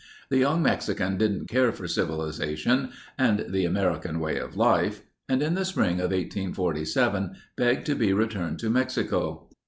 The young Mexican didn't care for civilization and the American way of life and in the spring of 1847 begged to be returned to Mexico.